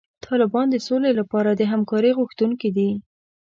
طالبان د سولې لپاره د همکارۍ غوښتونکي دي.